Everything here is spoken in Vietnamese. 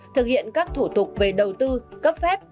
thực hiện các thủ tục về đầu tư cấp phép